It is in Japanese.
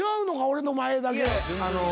俺の前だけ。